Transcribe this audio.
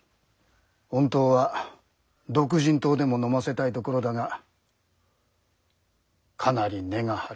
本当は独参湯でものませたいところだかかなり値が張る。